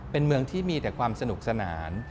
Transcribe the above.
เป็นเมืองที่มีแต่ความสนุกสนาน